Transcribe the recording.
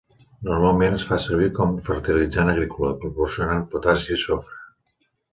Normalment es fa servir com fertilitzant agrícola proporcionant potassi i sofre.